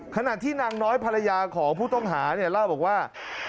ขณะที่นางน้อยภรรยาของผู้ต้องหาเนี่ยเล่าบอกว่า